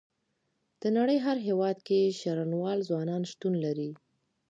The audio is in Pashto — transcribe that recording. د نړۍ هر هيواد کې شرنوال ځوانان شتون لري.